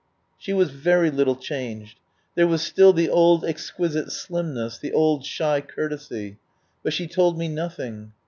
She was very little changed. There was still the old exquisite slimness, the old shy courtesy. But she told me nothing.